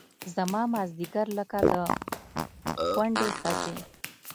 زما مازدیګر لکه د کونډې ښځې